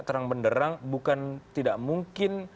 terang benderang bukan tidak mungkin